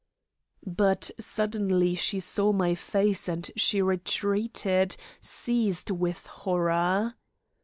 But suddenly she saw my face and she retreated, seized with horror.